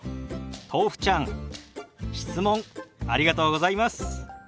とうふちゃん質問ありがとうございます。